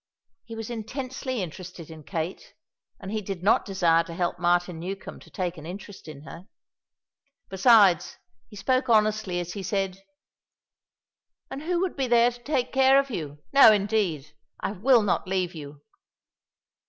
He was intensely interested in Kate, and he did not desire to help Martin Newcombe to take an interest in her. Besides, he spoke honestly as he said: "And who would there be to take care of you? No, indeed, I will not leave you."